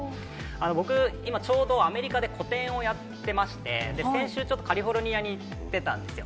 僕、今、ちょうどアメリカで個展をやってまして、先週、ちょっとカリフォルニアに行ってたんですよ。